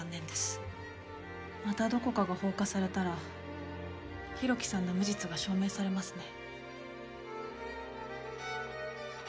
またどこかが放火されたら浩喜さんの無実が証明されますね。